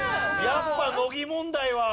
やっぱ乃木問題は。